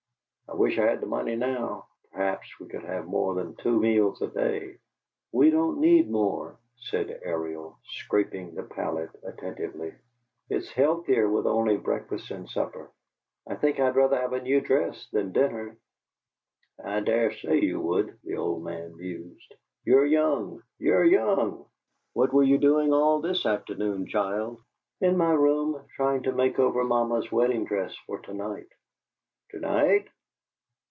I wish I had the money now perhaps we could have more than two meals a day." "We don't need more," said Ariel, scraping the palette attentively. "It's healthier with only breakfast and supper. I think I'd rather have a new dress than dinner." "I dare say you would," the old man mused. "You're young you're young. What were you doing all this afternoon, child?" "In my room, trying to make over mamma's wedding dress for to night." "To night?"